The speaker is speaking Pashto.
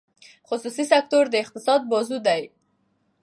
خصوصي سکتور د اقتصاد بازو دی.